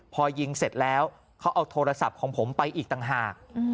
พอยิงเสร็จแล้วเขาเอาโทรศัพท์ของผมไปอีกต่างหาก